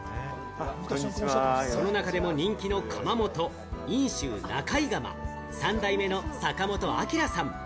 その中でも人気の窯元、因州・中井窯三代目の坂本章さん。